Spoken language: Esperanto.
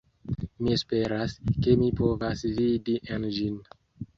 Mi esperas, ke mi povas vidi en ĝin